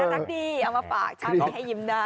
นักนักดีเอามาปากชาวนี้ให้ยิ้มได้